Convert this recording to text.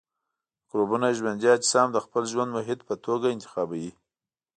مکروبونه ژوندي اجسام د خپل ژوند محیط په توګه انتخابوي.